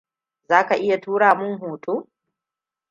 Za ka iya tura min hoto?